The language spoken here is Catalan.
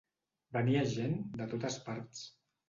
Venia gent de totes parts.